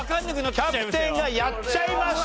キャプテンがやっちゃいました！